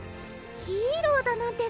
ヒーローだなんて